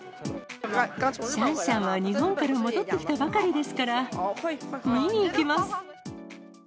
シャンシャンは日本から戻ってきたばかりですから、見に行きます。